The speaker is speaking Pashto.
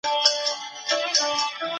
فساد کوونکي بايد سم سي.